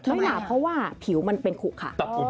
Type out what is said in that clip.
น้ำหลาบเพราะว่าผิวมันเป็นขุขะ